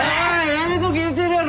やめとき言うてるやろ。